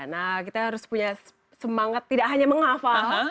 nah kita harus punya semangat tidak hanya menghafal